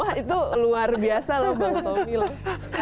wah itu luar biasa loh bang tommy lah